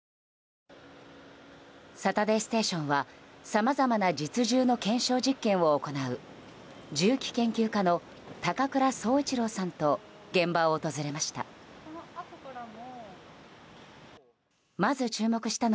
「サタデーステーション」はさまざまな実銃の検証実験を行う銃器研究家の高倉総一郎さんと現場を訪れました。